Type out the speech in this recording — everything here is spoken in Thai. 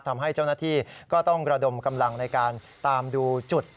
ทำให้เจ้าหน้าที่ก็ต้องระดมกำลังในการตามดูจุด